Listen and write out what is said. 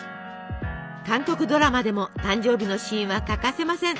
韓国ドラマでも誕生日のシーンは欠かせません。